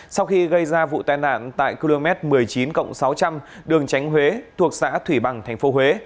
sau khi gây ra vụ tai nạn tại km một mươi chín sáu trăm linh đường tránh huế thuộc xã thủy bằng tp huế